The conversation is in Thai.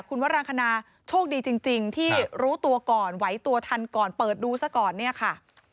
คุณวรังคณาโชคดีจริงที่รู้ตัวก่อนไหวตัวทันก่อนเปิดดูซะก่อนเนี่ยค่ะ